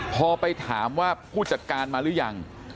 พอไปถามว่าผู้จัดการมาหรือยัง